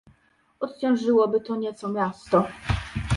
Odciążyłoby to nieco miasto